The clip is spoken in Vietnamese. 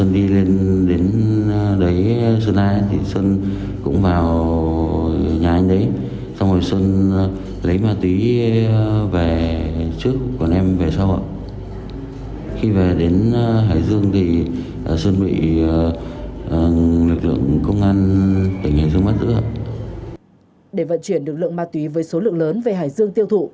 để vận chuyển lực lượng ma túy với số lượng lớn về hải dương tiêu thụ